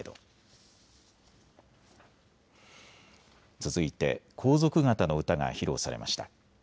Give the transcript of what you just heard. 続いて皇族方の歌が披露されました。